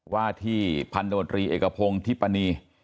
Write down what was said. ว่าที่พันโดรีเอกพงศ์ทิปณี